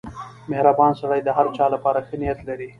• مهربان سړی د هر چا لپاره ښه نیت لري.